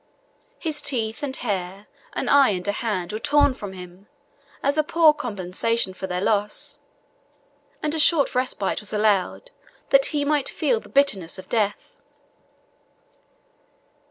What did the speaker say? His teeth and hair, an eye and a hand, were torn from him, as a poor compensation for their loss: and a short respite was allowed, that he might feel the bitterness of death.